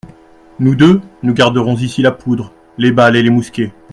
Nous deux, nous garderons ici la poudre, les balles et les mousquets.